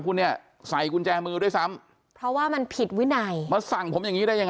๖คนอะถ้าลูกลูกกับโจ้ด้วยก็๗